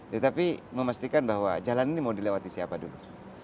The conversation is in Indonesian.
tetapi memastikan bahwa jalan ini mau dilewati siapa dulu